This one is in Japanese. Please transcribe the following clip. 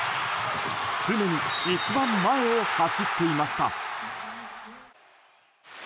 常に一番前を走っていました。